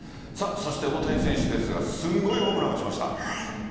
そして大谷選手ですがすごいホームランを打ちました。